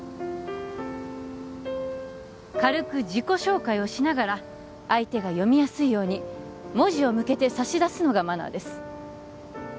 軽く自己紹介をしながら相手が読みやすいように文字を向けて差し出すのがマナーです